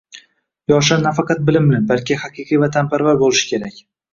Yoshlar nafaqat bilimli, balki haqiqiy vatanparvar bo‘lishi kerakng